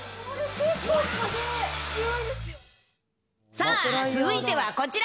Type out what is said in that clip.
さあ、続いてはこちら。